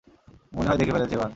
মনে হয় দেখে ফেলেছে, এবার?